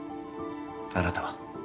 あなたは？